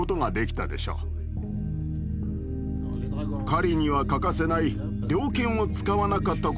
狩りには欠かせない